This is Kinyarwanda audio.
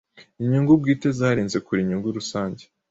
Inyungu bwite zarenze kure inyungu rusange,